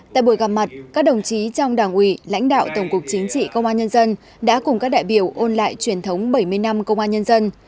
tại buổi gặp mặt các đồng chí trong đảng ủy lãnh đạo tổng cục chính trị công an nhân dân đã cùng các đại biểu ôn lại truyền thống bảy mươi năm công an nhân dân